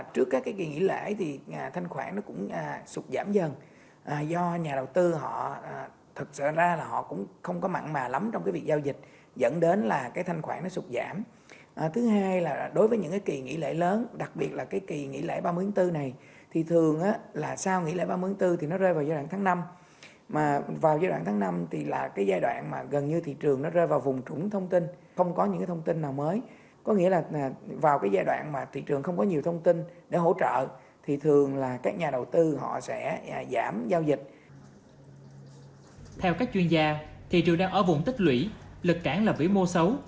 theo các chuyên gia thị trường đang ở vùng tích lũy lực cản là vĩ mô xấu